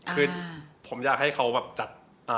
คือผมอยากให้เขาแบบจัด